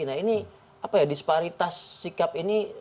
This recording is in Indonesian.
nah ini apa ya disparitas sikap ini